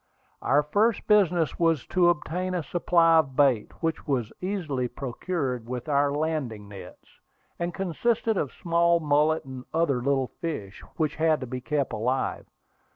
Our first business was to obtain a supply of bait, which was easily procured with our landing nets, and consisted of small mullet and other little fish, which had to be kept alive.